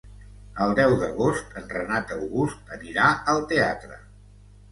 El deu d'agost en Renat August anirà al teatre.